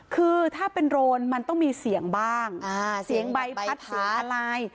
คือถ้าเป็นโรนมันต้องมีเสียงบ้างเสียงใบพัดเสียงอะไร